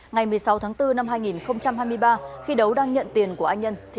ngày một mươi sáu tháng bốn năm hai nghìn hai mươi ba khi đấu đang nhận tiền của anh nhân thì bị bắt giữ